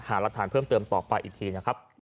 รักฐานเพิ่มเติมต่อไปอีกทีนะครับ